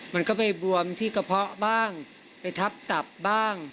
มันก็ไปบวมที่กระเพาะบ้างไปทับตับบ้าง